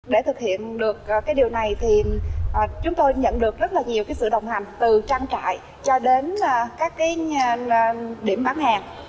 để thực hiện được điều này chúng tôi nhận được rất nhiều sự đồng hành từ trang trại cho đến các điểm bán hàng